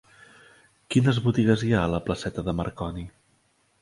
Quines botigues hi ha a la placeta de Marconi?